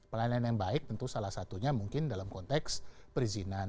pelayanan yang baik tentu salah satunya mungkin dalam konteks perizinan